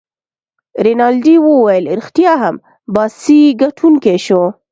رینالډي وویل: ريښتیا هم، باسي ګټونکی شو.